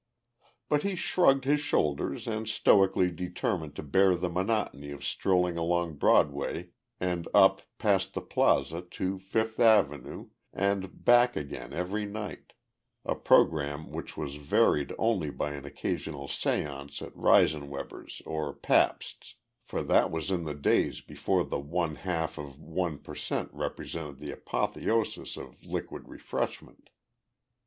But he shrugged his shoulders and stoically determined to bear the monotony of strolling along Broadway and up, past the Plaza, to Fifth Avenue and back again every night a program which was varied only by an occasional séance at Reisenweber's or Pabst's, for that was in the days before the one half of one per cent represented the apotheosis of liquid refreshment.